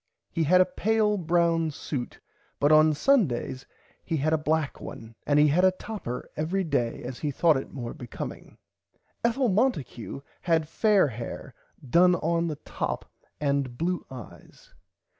He had a pale brown suit but on Sundays he had a black one and he had a topper every day as he thorght it more becoming. Ethel Monticue had fair hair done on the top and blue eyes.